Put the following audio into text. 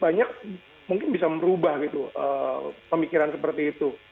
banyak mungkin bisa merubah gitu pemikiran seperti itu